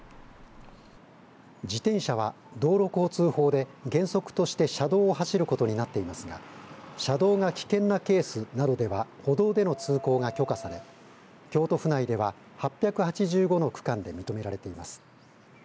自転車は、道路交通法で原則として車道を走ることになっていますが車道が危険なケースなどでは歩道での通行が許可され京都府内では８８５の区間で認められています。